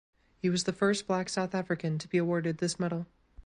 He was the first black South African to be awarded this medal.